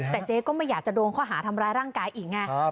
แต่เจ๊ก็ไม่อยากจะโดนข้อหาทำร้ายร่างกายอีกไง